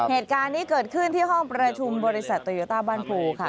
เหตุการณ์นี้เกิดขึ้นที่ห้องประชุมบริษัทโตโยต้าบ้านโพค่ะ